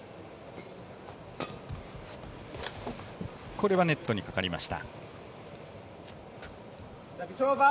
これはネットにかかりました。